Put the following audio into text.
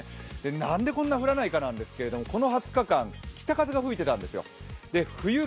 なんでこんなに降らないかなんですけど、この２０日間、北風が吹いてたんですよ。